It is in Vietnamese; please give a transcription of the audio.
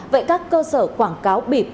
vậy các cơ sở quảng cáo bịp